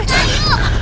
jujur things yeah